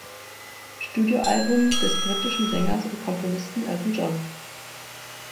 Studioalbum des britischen Sängers und Komponisten Elton John.